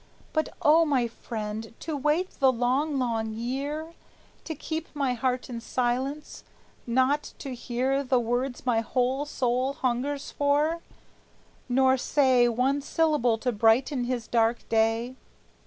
But oh, my friend, to wait the long, long year, To keep my heart in silence, not to hear The words my whole soul hungers for, nor say One syllable to brighten his dark day!